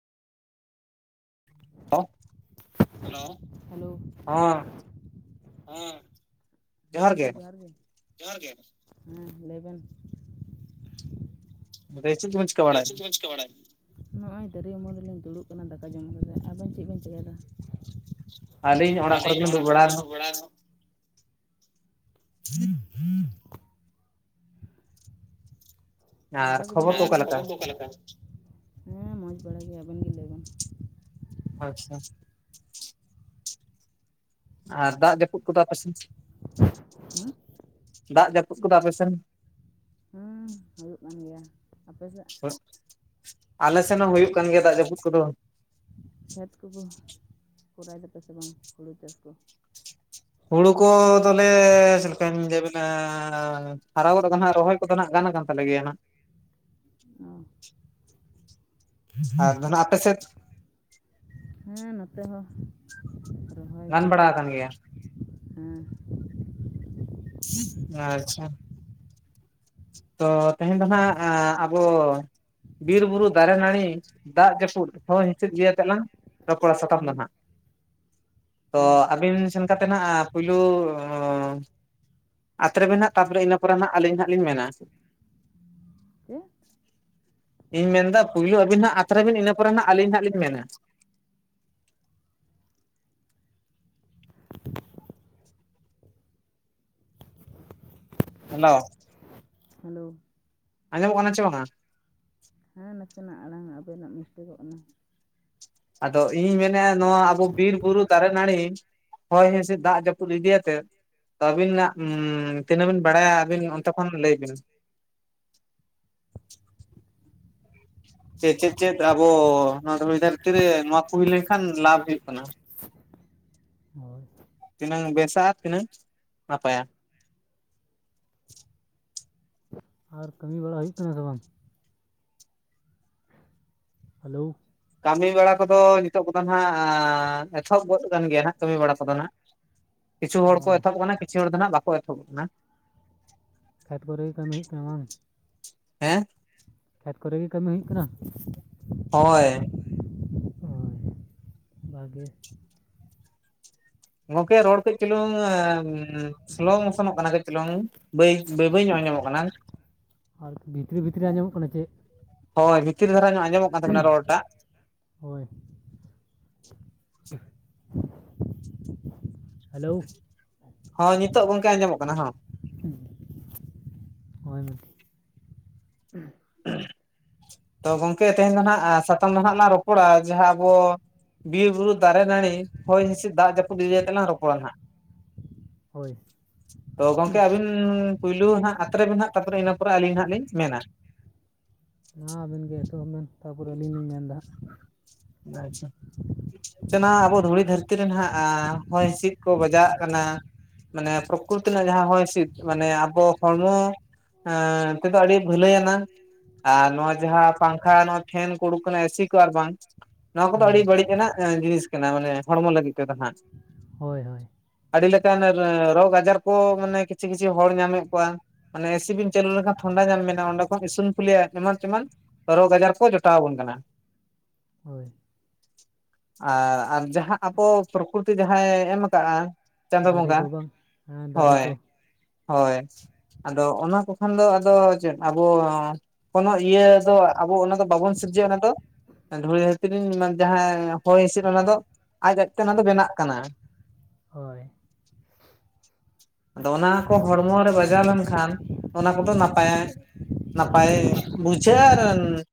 [unintelligible] Hello, hello ᱦᱚᱸᱻ ᱦᱮᱸ, ᱦᱮᱸ ᱜᱚᱝᱠᱮ ᱡᱚᱦᱟᱨ ᱜᱮ, ᱡᱚᱦᱟᱨ ᱜᱮ, ᱦᱮᱸ ᱞᱟᱹᱭ ᱵᱮᱱ᱾ ᱫᱟᱹᱭ ᱪᱮᱫ ᱠᱚᱵᱤᱱ ᱪᱤᱠᱟᱹ ᱫᱤᱭᱮ ᱵᱟᱲᱟᱭᱮᱫ ᱪᱮᱜ ᱠᱚᱢ ᱪᱤᱠᱟᱹ ᱵᱟᱲᱟᱭᱮᱜᱼᱟ? ᱱᱚᱜᱼᱚᱭ ᱫᱟᱸᱨᱮ ᱩᱢᱩᱞ ᱨᱮᱞᱤᱧ ᱫᱩᱲᱩᱜ ᱠᱟᱱᱟ ᱫᱟᱠᱟ ᱡᱚᱢ ᱠᱟᱛᱮᱜ᱾ ᱟᱵᱮᱱ ᱪᱮᱜ ᱵᱮᱱ ᱪᱤᱠᱟᱭᱫᱟ? ᱟᱹᱞᱤᱧ ᱚᱲᱟᱜ ᱠᱚᱨᱮ ᱜᱮᱧᱤᱧ ᱫᱩᱵ ᱵᱟᱲᱟ ᱠᱟᱱᱟ᱾ [unintelligible] [unintelligible] ᱟᱨ ᱫᱟᱠᱟ ᱠᱚᱵᱮᱱ ᱠᱷᱚᱵᱚᱨ ᱠᱚ ᱡᱚᱢ, ᱚᱠᱟ ᱟᱨ ᱞᱮᱠᱟ ᱠᱷᱚᱵᱚᱨ ᱠᱚ ᱚᱠᱟᱞᱮᱠᱟ? ᱦᱮᱸ ᱢᱚᱡᱽ ᱵᱟᱲ ᱜᱮ, ᱟᱵᱮᱱ ᱜᱮ ᱞᱟᱹᱭ ᱵᱮᱱ? ᱟᱪᱪᱷᱟ ᱟᱨ ᱫᱟᱜ ᱡᱟᱹᱯᱩᱫ ᱠᱚᱫᱚ ᱟᱯᱮᱥᱮᱱ [unintelligible] ᱫᱟᱜ ᱡᱟᱹᱯᱩᱫ ᱠᱚᱫᱚ ᱟᱯᱮᱥᱮᱱ? ᱦᱮᱸ ᱦᱩᱭᱩᱜ ᱠᱟᱱ ᱜᱮᱭᱟ, ᱟᱯᱮᱥᱮᱫ? ᱟᱞᱮ ᱥᱮᱱ ᱦᱚᱸ ᱦᱩᱭᱩᱜ ᱠᱟᱱ ᱜᱮᱭᱟ ᱫᱟᱜ ᱡᱟᱹᱯᱩᱫ ᱠᱚᱫᱚ᱾ ᱠᱷᱮᱛ ᱠᱚᱫᱚ ᱠᱚᱨᱟᱣ ᱫᱟᱯᱮ ᱥᱮ ᱵᱟᱝ ᱦᱩᱲᱩ ᱪᱟᱥ ᱠᱚ? ᱦᱩᱲᱩ ᱠᱚᱻ ᱫᱚᱞᱮᱻ ᱪᱮᱫ ᱠᱟᱧ ᱞᱟᱹᱭᱟᱵᱤᱼᱱᱟᱻ ᱦᱟᱨᱟ ᱜᱚᱫ ᱠᱟᱱ ᱦᱟᱜ ᱨᱚᱦᱚᱭ ᱠᱚᱫᱚ ᱱᱟᱜ ᱜᱟᱱ ᱠᱟᱱ ᱛᱟᱞᱮ ᱜᱮᱭᱟ ᱱᱟᱸᱜ᱾ ᱚᱻ ᱟᱨ ᱫᱚᱱᱟᱜ ᱟᱯᱮ ᱥᱮᱫ ᱦᱮᱸ ᱱᱚᱛᱮ ᱦᱚᱸ ᱨᱚᱦᱚᱭ ᱜᱟᱱ ᱜᱮ ᱵᱟᱲᱟ ᱟᱠᱟᱱ ᱜᱮᱭᱟ ᱦᱮᱸ [unintelligible] ᱟᱪᱪᱷᱟ, ᱛᱚ ᱛᱮᱦᱮᱸᱧ ᱫᱚ ᱱᱟᱸᱜ ᱟ ᱟᱵᱚ ᱵᱤᱨ ᱵᱩᱨᱩ ᱫᱟᱨᱮ ᱱᱟᱹᱲᱤ ᱫᱟᱜ ᱡᱟᱹᱯᱩᱫ ᱦᱚᱭ ᱦᱤᱸᱥᱤᱫ ᱜᱮ ᱠᱟᱱᱟ ᱛ ᱠᱚ [inaudible] ᱥᱟᱛᱟᱢ ᱦᱮᱸ ᱫᱚ ᱱᱟᱸᱜ ᱛᱚ ᱦᱮᱸ ᱟᱵᱤᱱ ᱥᱮᱱ ᱠᱟᱛᱮ ᱱᱟᱜ ᱯᱩᱭᱞᱩᱻ ᱟᱛᱨᱮ ᱢᱮ ᱱᱟᱜ ᱛᱟᱯᱚᱨᱮ ᱤᱱᱟᱹ ᱯᱚᱨᱮ ᱦᱟᱸᱜ ᱟᱹᱞᱤᱧ ᱦᱟᱸᱜ ᱞᱤᱧ ᱢᱮᱱᱟ᱾ ᱪᱮᱫ ᱤᱧ ᱢᱮᱱ ᱫᱟ ᱯᱩᱭᱞᱳ ᱟᱵᱤᱱ ᱦᱟᱸᱜ ᱟᱛᱨᱮ ᱵᱤᱱ ᱤᱱᱟᱹᱯᱚᱨᱮ ᱦᱟᱸᱜ ᱟᱹᱞᱤᱧ ᱦᱟᱸᱜ ᱞᱤᱧ ᱢᱮᱱᱟ ᱦᱮᱞᱳ, ᱦᱮᱞᱳ, ᱟᱸᱡᱚᱢᱚᱜ ᱠᱟᱱᱟ ᱪᱮ ᱵᱟᱝᱟ ᱦᱮᱸ ᱱᱟᱥᱮᱱᱟᱜ ᱟᱲᱟᱝ ᱟᱵᱤᱱᱟᱜ ᱢᱤᱥᱴᱮᱠᱚᱜ ᱠᱟᱱᱟ ᱟᱫᱚ ᱤᱧᱤᱧ ᱢᱮᱱᱮᱜᱼᱟ ᱱᱚᱣᱟ ᱟᱵᱚ ᱵᱤᱨ ᱵᱩᱨᱩ ᱫᱟᱨᱮ ᱱᱟᱹᱲᱤ ᱦᱳᱭ ᱦᱤᱥᱤᱫ ᱫᱟᱜ ᱡᱟᱹᱯᱩᱫ ᱤᱫᱤᱭᱟᱛᱮᱜ ᱛᱚ ᱟᱹᱵᱤᱱᱟᱜ ᱛᱤᱱᱟᱹᱜ ᱵᱤᱱ ᱵᱟᱲᱟᱭᱟ ᱟᱹᱵᱤᱱ ᱚᱱᱛᱮ ᱠᱷᱚᱱ ᱞᱟᱹᱭ ᱵᱤᱱ ᱥᱮ ᱪᱮᱫ ᱪᱮᱫ ᱟᱵᱚ ᱱᱚᱣᱟ ᱫᱷᱩᱲᱤ ᱫᱷᱟᱨᱛᱤ ᱱᱚᱣᱟ ᱠᱚ ᱦᱩᱭ ᱞᱮᱱᱠᱷᱟᱱ ᱞᱟᱵᱷ ᱦᱩᱭᱩᱜ ᱠᱟᱱᱟ ᱦᱳᱭ ᱛᱤᱱᱟᱹᱝ ᱵᱮᱥᱟ ᱛᱤᱱᱟᱹᱝ ᱱᱟᱯᱟᱭᱟ ᱟᱨ ᱠᱟᱹᱢᱤ ᱵᱟᱲᱟ ᱦᱩᱭᱩᱜ ᱠᱟᱱᱟ ᱥᱮ ᱵᱟᱝ ᱦᱮᱞᱳ ᱠᱟᱹᱢᱤ ᱵᱟᱲᱟ ᱠᱚᱫᱚ ᱱᱤᱛᱚᱜ ᱠᱚᱫᱚ ᱱᱟᱜ ᱮᱛᱚᱦᱚᱵ ᱜᱚᱫ ᱟᱠᱟᱱ ᱜᱮᱭᱟ ᱦᱟᱜ ᱠᱟᱹᱢᱤ ᱵᱟᱲᱟ ᱠᱚᱫᱚ ᱱᱟᱜ [inaudible] ᱠᱤᱪᱷᱩ ᱦᱚᱲ ᱠᱚ ᱮᱛᱚᱦᱚᱵ ᱟᱠᱟᱱᱟ ᱠᱤᱪᱷᱩ ᱦᱚᱲ ᱫᱚ ᱟᱸᱜ ᱵᱟᱠᱚ ᱮᱛᱚᱦᱚ ᱵᱚᱜ ᱠᱟᱱᱟ ᱠᱷᱮᱛ ᱠᱚᱨᱮ ᱜᱮ ᱠᱟᱹᱢᱤ ᱦᱩᱭᱩᱜ ᱠᱟᱱᱟ ᱵᱟᱝ ᱦᱮᱸ ᱠᱷᱮᱛ ᱠᱚᱨᱮ ᱜᱮ ᱠᱟᱹᱢᱤ ᱦᱩᱭᱩᱜ ᱠᱟᱱᱟ ᱦᱳᱭ ᱦᱳᱭ ᱵᱷᱟᱜᱮ ᱜᱚᱝᱠᱮ ᱨᱚᱲ ᱠᱟᱹᱡ ᱪᱩᱞᱩᱝ ᱥᱞᱳ ᱢᱚᱥᱚᱱᱚᱜ ᱠᱟᱱᱟ ᱠᱟᱹᱡ ᱪᱩᱞᱩᱝ ᱵᱟᱹᱭ ᱵᱟᱹᱭ ᱵᱟᱹᱭ ᱧᱚᱜ ᱟᱧᱡᱚᱢᱚᱜ ᱠᱟᱱᱟ ᱟᱨ ᱵᱷᱤᱛ ᱨᱤ ᱵᱷᱤᱛ ᱨᱤ ᱟᱸᱡᱚᱢᱚᱜ ᱠᱟᱱᱟ ᱪᱮᱫ ᱦᱳᱭ ᱵᱷᱤᱛᱤᱨ ᱫᱷᱟᱨᱟ ᱧᱚᱜ ᱟᱸᱡᱚᱢᱚᱜ ᱠᱟᱱ ᱛᱟᱵᱮᱱᱟ ᱨᱚᱲ ᱴᱟᱜ ᱦᱳᱭ ᱦᱮᱞᱳ ᱦᱚ ᱱᱤᱛᱚᱜ ᱜᱚᱝᱠᱮ ᱟᱸᱡᱚᱢᱚᱜ ᱠᱟᱱᱟ [inaudible] ᱦᱳᱭ ᱢᱤᱫ ᱴᱷᱤᱠ [inaudible] [unintelligible] [unintelligible] ᱛᱚ ᱜᱚᱝᱠᱮ ᱛᱮᱦᱮᱧ ᱫᱚ ᱦᱟᱸᱜ ᱥᱟᱛᱟᱢ ᱫᱚ ᱦᱟᱜ ᱞᱟᱝ ᱨᱚᱯᱚᱲᱟ ᱡᱟᱦᱟᱸ ᱟᱵᱚ ᱵᱤᱨ ᱵᱩᱨᱩ ᱫᱟᱨᱮ ᱱᱟᱹᱲᱤ ᱦᱚᱭ ᱦᱤᱸᱥᱤᱫ ᱫᱟᱜ ᱡᱟᱹᱯᱩᱫ ᱤᱫᱤ ᱠᱟᱛᱮ ᱞᱟᱝ ᱨᱚᱯᱚᱲᱟ ᱱᱟᱦᱟᱜ ᱦᱳᱭ ᱛᱚ ᱜᱚᱝᱠᱮ ᱟᱵᱤᱱ ᱯᱩᱭᱞᱩ ᱦᱟᱜ ᱟᱛᱨᱮ ᱵᱮᱱ ᱦᱟᱜ ᱛᱯᱚᱨᱮ ᱤᱱᱟᱹ ᱯᱚᱨᱮ ᱟᱹᱞᱤᱧ ᱦᱟᱜ ᱞᱤᱧ ᱢᱮᱱᱟ ᱢᱟ ᱟᱵᱮᱱ ᱜᱮ ᱮᱛᱚᱦᱚᱵ ᱵᱮᱱ ᱛᱟᱨ ᱯᱚᱨᱮ ᱟᱹᱞᱤᱧ ᱞᱤᱧ ᱢᱮᱱ ᱮᱫᱟ ᱟᱪᱷᱟ ᱡ [inaudible] ᱟᱵᱚ ᱫᱷᱩᱲᱤ ᱫᱷᱟᱹᱨᱛᱤ ᱨᱮ ᱱᱟᱱᱟᱜ ᱦᱚᱭ ᱦᱤᱸᱥᱤᱫ ᱠᱚ ᱵᱟᱡᱟᱣᱟᱜ ᱠᱟᱱᱟ ᱢᱟᱱᱮ ᱯᱨᱚᱠᱛᱤ ᱨᱮᱱᱟᱜ ᱡᱟᱦᱟᱸ ᱦᱚᱭ ᱦᱤᱥᱤᱫ ᱢᱟᱱᱮ ᱟᱵᱚ ᱦᱚᱲᱢᱚ ᱮ [inaudible] ᱛᱮᱫᱚ ᱟᱹᱰᱤ ᱵᱷᱟᱹᱞᱟᱹᱭ ᱟᱱᱟᱝ ᱟᱨ ᱱᱚᱣᱟ ᱡᱟᱦᱟᱸ ᱯᱟᱝᱠᱷᱟ ᱱᱚᱣᱟ ᱯᱷᱮᱱ ᱠᱩ ᱩᱰᱩᱠ ᱟᱠᱟᱱᱟ ᱮᱥᱤ ᱠᱚ ᱟᱨ ᱵᱟᱝ ᱱᱚᱣᱟ ᱠᱚᱫᱚ ᱦᱟᱸᱜ ᱦᱮᱸ ᱟᱹᱰᱤ ᱵᱟᱹᱲᱤᱡ ᱟᱱᱟᱜ ᱡᱤᱱᱤᱥ ᱠᱟᱱᱟ ᱢᱟᱱᱮ ᱦᱚᱲᱢᱚ ᱞᱟᱹᱜᱤᱫ ᱛᱮᱫᱚ ᱦᱟᱸᱜ ᱦᱳᱭ ᱦᱳᱭ ᱟᱹᱰᱤ ᱞᱮᱠᱟᱱ ᱨᱳᱜᱽ ᱟᱡᱟᱨ ᱠᱚ ᱢᱟᱱᱮ ᱠᱤᱪᱷᱩ ᱠᱤᱪᱷᱩ ᱦᱚᱲ ᱧᱟᱢᱮᱫ ᱠᱚᱣᱟ ᱢᱟᱱᱮ ᱮᱥᱤ ᱵᱤᱱ ᱪᱟᱹᱞᱩ ᱞᱮᱠᱷᱟᱱ ᱴᱷᱟᱱᱰᱟ ᱧᱟᱢ ᱵᱤᱱᱟ ᱚᱸᱰᱮ ᱠᱷᱚᱱ ᱤᱥᱩᱱ ᱯᱷᱩᱞᱤᱭᱟ ᱮᱢᱟᱱ ᱛᱮᱢᱟᱱ ᱨᱳᱜᱽ ᱟᱡᱟᱨ ᱠᱚ ᱡᱚᱴᱟᱣ ᱟᱵᱚᱱ ᱠᱟᱱᱟ ᱦᱳᱭ ᱟᱨ ᱟᱨ ᱡᱟᱦᱟᱸ ᱟᱵᱚ ᱯᱨᱚᱠᱩᱛᱤ ᱡᱟᱦᱟᱸᱭ ᱮᱢ ᱠᱟᱜᱼᱟ ᱫᱟᱨᱮ ᱠᱚ ᱵᱟᱝ ᱦᱮᱸ ᱫᱟᱨᱮ ᱠᱚ ᱦᱳᱭ ᱟᱫᱚ ᱚᱱᱟ ᱠᱚ ᱠᱷᱟᱱ ᱫᱚ ᱟᱫᱚ ᱪᱮᱫ ᱟᱵᱚ ᱠᱳᱱᱳ ᱤᱭᱟᱹ ᱫᱚ ᱟᱵᱚ ᱚᱱᱟ ᱵᱟᱵᱚᱱ ᱥᱤᱨᱡᱟᱹᱣ ᱚᱱᱟ ᱫᱚ ᱫᱷᱩᱲᱤ ᱫᱷᱟᱹᱨᱛᱤ ᱡᱟᱦᱟᱸ ᱦᱚᱭ ᱦᱤᱥᱤᱫ ᱚᱱᱟ ᱫᱚ ᱟᱡ ᱟᱡ ᱛᱮ ᱚᱱᱟ ᱫᱚ ᱵᱮᱱᱟᱜ ᱠᱟᱱᱟ ᱦᱳᱭ ᱟᱫᱚ ᱚᱱᱟ ᱠᱚ ᱦᱚᱲᱢᱚ ᱨᱮ ᱵᱟᱡᱟᱣ ᱞᱮᱱᱠᱷᱟᱱ ᱚᱱᱟ ᱠᱚᱫᱚ ᱱᱟᱯᱟᱭ ᱱᱟᱯᱟᱭᱟ ᱱᱟᱯᱟᱭ ᱵᱩᱡᱷᱟᱹᱜ ᱟᱨ